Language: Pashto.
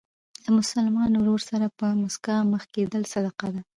له مسلمان ورور سره په مسکا مخ کېدل صدقه ده.